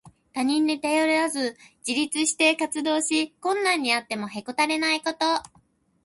他人に頼らず自立して活動し、困難にあってもへこたれないこと。